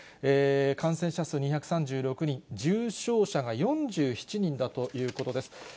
感染者数２３６人、重症者が４７人だということです。